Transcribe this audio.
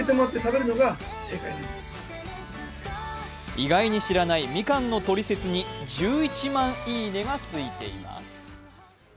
意外に知らないみかんのトリセツに１１万いいねがついています。